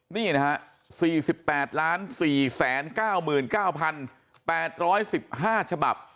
นี่นะฮะ๔๘๔๙๙๘๑๕ฉบับ